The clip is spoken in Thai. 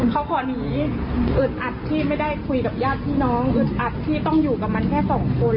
เขาขอหนีอึดอัดที่ไม่ได้คุยกับญาติพี่น้องอึดอัดที่ต้องอยู่กับมันแค่สองคน